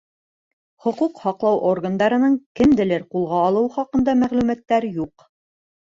Хоҡуҡ һаҡлау органдарының кемделер ҡулға алыуы хаҡында мәғлүмәттәр юҡ.